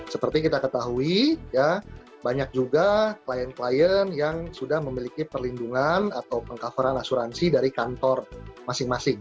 seperti kita ketahui banyak juga klien klien yang sudah memiliki perlindungan atau peng coveran asuransi dari kantor masing masing